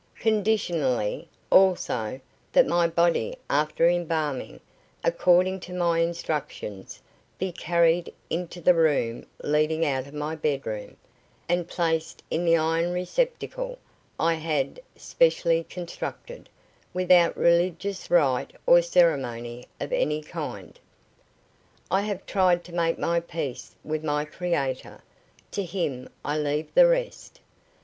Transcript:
"Conditionally, also, that my body, after embalming, according to my instructions, be carried into the room leading out of my bedroom, and placed in the iron receptacle I had specially constructed, without religious rite or ceremony of any kind. I have tried to make my peace with my Creator; to Him I leave the rest.